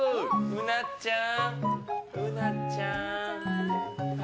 うなちゃん！